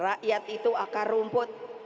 rakyat itu akar rumput